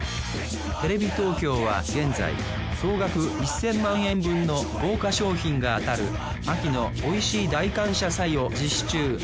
テレビ東京は現在総額１，０００万円分の豪華賞品が当たる秋のおいしい大感謝祭を実施中。